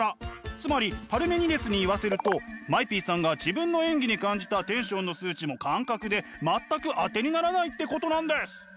つまりパルメニデスに言わせるとＭＡＥＰさんが自分の演技に感じたテンションの数値も感覚で全く当てにならないってことなんです！